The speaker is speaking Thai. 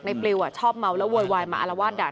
ปลิวชอบเมาแล้วโวยวายมาอารวาสด่า